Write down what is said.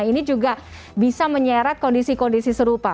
ini juga bisa menyeret kondisi kondisi serupa